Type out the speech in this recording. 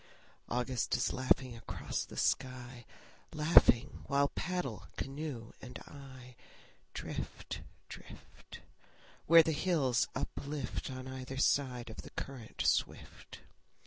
August is laughing across the sky, Laughing while paddle, canoe and I, Drift, drift, Where the hills uplift On either side of the current swift.